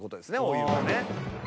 お湯がね。